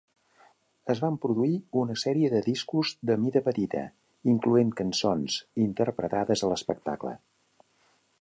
Es van produir una sèrie de discos de "mida petita", incloent cançons interpretades a l'espectacle.